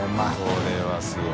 これはすごい。